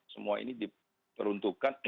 semua ini diperuntukkan